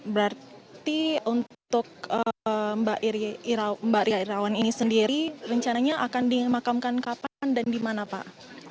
berarti untuk mbak ria irawan ini sendiri rencananya akan dimakamkan kapan dan di mana pak